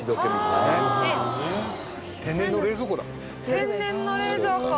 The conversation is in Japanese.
天然の冷蔵庫！